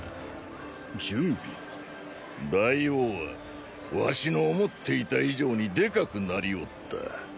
大王は儂の思っていた以上にでかくなりおった。